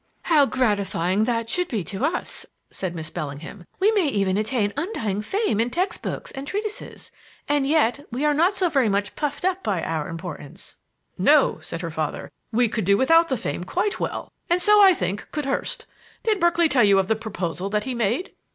"How gratifying that should be to us!" said Miss Bellingham. "We may even attain undying fame in textbooks and treatises; and yet we are not so very much puffed up with our importance." "No," said her father; "we could do without the fame quite well, and so, I think, could Hurst. Did Berkeley tell you of the proposal that he made?"